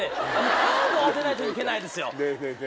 カード当てないといけないですよ。